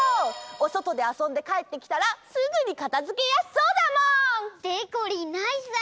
おそとであそんでかえってきたらすぐにかたづけやすそうだもん！でこりんナイスアイデア！